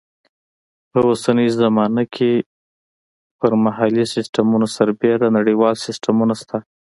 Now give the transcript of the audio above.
په اوسنۍ زمانه کې پر محلي سیسټمونو سربیره نړیوال سیسټمونه شته.